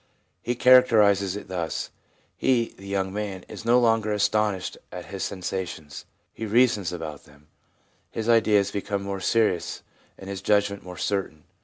He characterises it thus :' He (the young man) is no longer astonished at his sensations ; he reasons about them. His ideas become more serious and his judgment more certain.